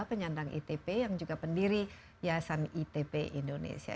penyandang itp yang juga pendiri yayasan itp indonesia